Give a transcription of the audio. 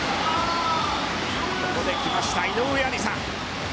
ここできました、井上愛里沙。